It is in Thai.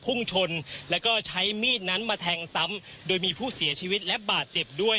พุ่งชนแล้วก็ใช้มีดนั้นมาแทงซ้ำโดยมีผู้เสียชีวิตและบาดเจ็บด้วย